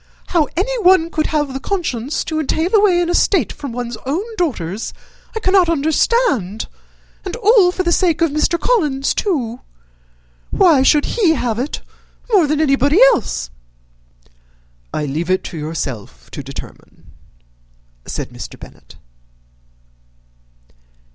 How anyone could have the conscience to entail away an estate from one's own daughters I cannot understand; and all for the sake of Mr. Collins, too! Why should he have it more than anybody else?" "I leave it to yourself to determine," said Mr. Bennet.